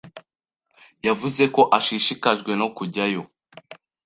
Yavuze ko ashishikajwe no kujyayo.